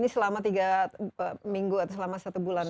selama tiga minggu atau selama satu bulan